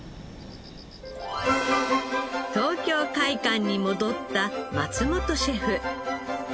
東京會舘に戻った松本シェフ。